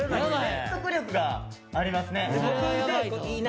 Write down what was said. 説得力がありますね。